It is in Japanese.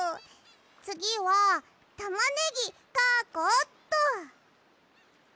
つぎはたまねぎかこうっと。